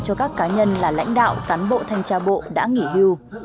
cho các cá nhân là lãnh đạo cán bộ thanh tra bộ đã nghỉ hưu